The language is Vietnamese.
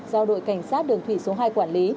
do đội cảnh sát đường thủy số hai quản lý